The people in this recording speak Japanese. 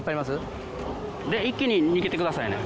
で一気に逃げてくださいね。